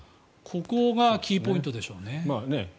ここがキーポイントでしょうね。